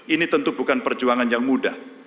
ini tentu bukan perjuangan yang mudah